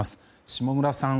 下村さん